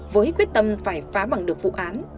với quyết tâm phải phá bằng được vụ án